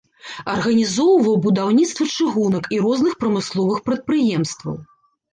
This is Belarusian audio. Арганізоўваў будаўніцтва чыгунак і розных прамысловых прадпрыемстваў.